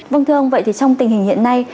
vâng thưa ông vậy thì trong tình hình hiện nay